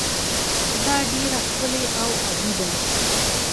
دا ډیره ښکلې او ابي ده.